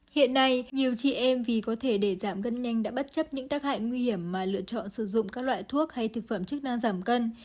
hiện nay nhiều chị em vì có thể để giảm cân nhanh đã bất chấp những tác hại nguy hiểm mà lựa chọn sử dụng các loại thuốc hay thực phẩm chức năng giảm cân